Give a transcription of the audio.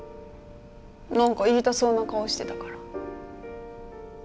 何か言いたそうな顔してたから。